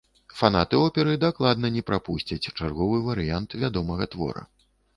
Фанаты оперы дакладна не прапусцяць чарговы варыянт вядомага твора.